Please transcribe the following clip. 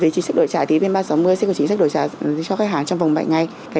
về chính sách đổi trả thì bên ba trăm sáu mươi sẽ có chính sách đổi trả cho khách hàng trong vòng bảy ngày